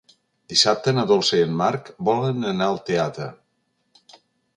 Dissabte na Dolça i en Marc volen anar al teatre.